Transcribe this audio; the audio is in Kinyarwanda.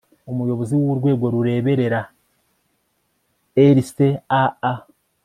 Umuyobozi w Urwego rureberera RCAA